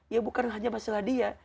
ya bukan hanya masalah dia